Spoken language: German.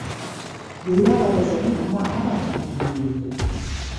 Göhler war der Sohn einer Arbeiterfamilie.